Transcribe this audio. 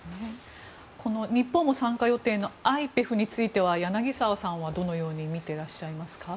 日本も参加予定のＩＰＥＦについては柳澤さんは、どのように見ていらっしゃいますか？